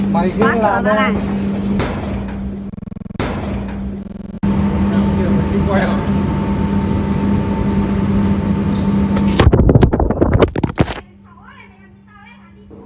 phát cửa vào lại